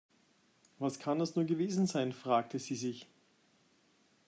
Was kann das nur gewesen sein, fragte sie sich.